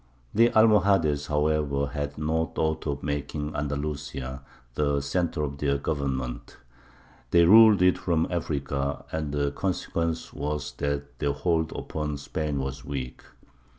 [Illustration: BANNER OF THE ALMOHADES.] The Almohades, however, had no thought of making Andalusia the centre of their government. They ruled it from Africa, and the consequence was that their hold upon Spain was weak.